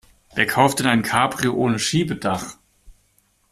Wer kauft denn ein Cabrio ohne Schiebedach?